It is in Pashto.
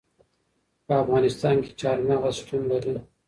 په افغانستان کې چار مغز شتون لري.